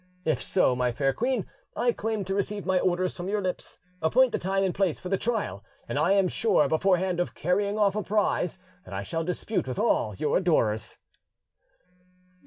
If so, my fair queen, I claim to receive my orders from your lips: appoint the time and place for the trial, and I am sure beforehand of carrying off a prize that I shall dispute with all your adorers."